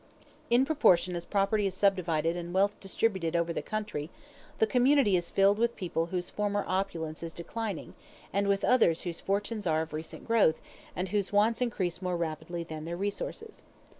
In proportion as property is subdivided and wealth distributed over the country, the community is filled with people whose former opulence is declining, and with others whose fortunes are of recent growth and whose wants increase more rapidly than their resources.